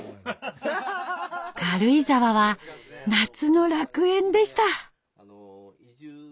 軽井沢は夏の楽園でした。